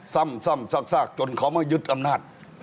ซ้ำซากจนเขามายึดอำนาจ